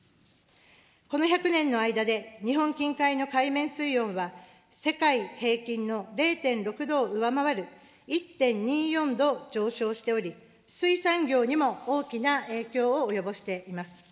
この１００年の間で、日本近海の海面水温は世界平均の０．６度を上回る、１．２４度上昇しており、水産業にも大きな影響を及ぼしています。